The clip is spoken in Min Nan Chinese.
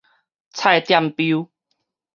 菜店彪